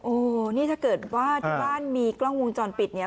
โอ้โหนี่ถ้าเกิดว่าที่บ้านมีกล้องวงจรปิดเนี่ย